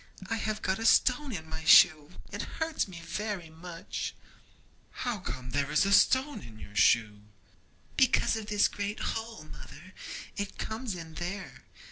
I have got a stone in my shoe; it hurts me very much.' 'How comes there to be a stone in your shoe?' 'Because of this great hole, mother; it comes in there.